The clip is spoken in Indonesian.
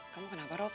kamu kenapa rob